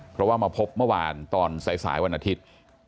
เพราะว่ามาพบเมื่อวานตอนสายวันอาทิตย์